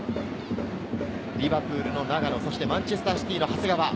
リバプールの長野、そしてマンチェスター・シティの長谷川。